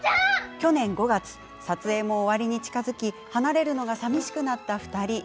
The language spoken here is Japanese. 去年５月、撮影も終わりに近づき離れるのがさみしくなった２人。